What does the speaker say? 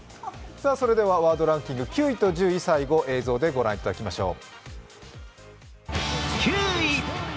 ワードランキング、９位と１０位、最後に映像でご覧いただきましょう。